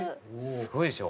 「すごいでしょ？」